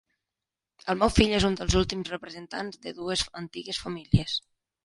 El meu fill és un dels últims representants de dues antigues famílies.